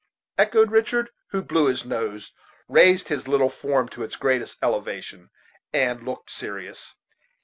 echoed Richard, who blew his nose, raised his little form to its greatest elevation, and looked serious.